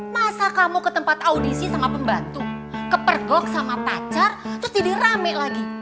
masa kamu ke tempat audisi sama pembantu kepergok sama pacar terus jadi rame lagi